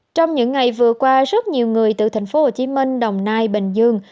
trong những ngày vừa qua rất nhiều người từ thành phố hồ chí minh đồng nai bình dương